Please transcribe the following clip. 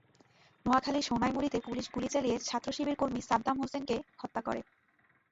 নোয়াখালীর সোনাইমুড়ীতে পুলিশ গুলি চালিয়ে ছাত্রশিবির কর্মী সাদ্দাম হোসেনকে হত্যা করে।